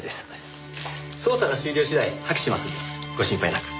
捜査が終了次第破棄しますのでご心配なく。